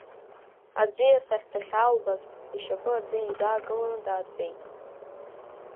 Аӡиас ахь дахьаалбааз, ишьапы аӡы инӡаакыланы даатәеит.